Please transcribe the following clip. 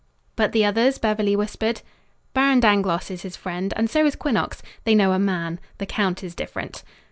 "But the others?" Beverly whispered. "Baron Dangloss is his friend, and so is Quinnox. They know a man. The count is different."